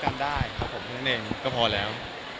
เจ้าสาวที่เข้ามาก็มีกังวลเรื่องข่าวเหรอครับ